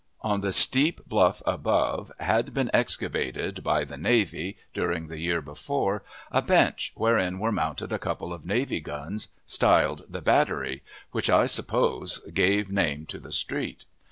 On the steep bluff above had been excavated, by the navy, during the year before, a bench, wherein were mounted a couple of navy guns, styled the battery, which, I suppose, gave name to the street.